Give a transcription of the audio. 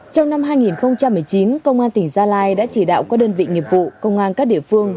trong năm hai nghìn một mươi chín công an tỉnh gia lai đã chỉ đạo các đơn vị nghiệp vụ công an các địa phương